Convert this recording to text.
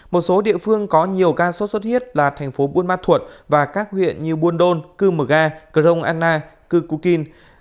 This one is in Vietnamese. một số địa phương có nhiều ca sốt sốt huyết là thành phố buôn ma thuột và các huyện như buôn đôn cư mờ gà crong anna cư cú kinh